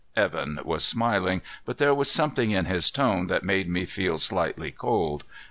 Evan was smiling, but there was something in his tone that made me feel slightly cold.